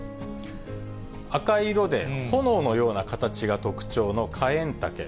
赤い色で炎のような形が特徴なカエンタケ。